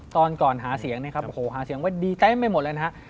ตอนก่อนหาเสียงนะครับหาเสียงว่าดีแต้งไปหมดเลยนะครับ